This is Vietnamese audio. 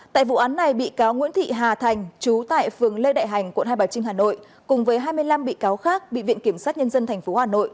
tại vụ án này bị cáo nguyễn thị hà thành chú tại phường lê đại hành quận hai bà trưng hà nội cùng với hai mươi năm bị cáo khác bị viện kiểm sát nhân dân tp hà nội